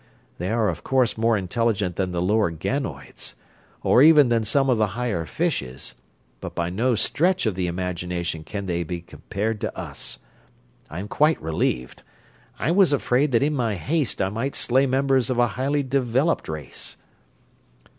They are of course more intelligent than the lower ganoids, or even than some of the higher fishes, but by no stretch of the imagination can they be compared to us. I am quite relieved I was afraid that in my haste I might slay members of a highly developed race."